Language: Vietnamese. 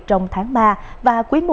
trong tháng ba và quý i